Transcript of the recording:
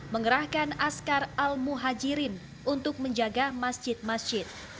mengerahkan askar al muhajirin untuk menjaga masjid masjid